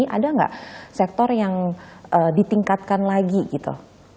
ada nggak sektor yang ditingkatkan lagi gitu